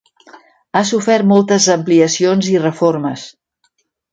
Ha sofert moltes ampliacions i reformes.